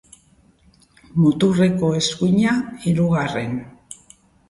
Muturreko eskuina, hirugarren.